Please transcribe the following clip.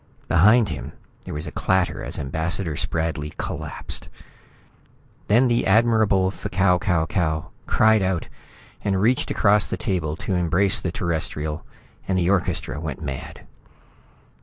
Behind him, there was a clatter as Ambassador Spradley collapsed. Then the Admirable F'Kau Kau Kau cried out and reached across the table to embrace the Terrestrial, and the orchestra went mad.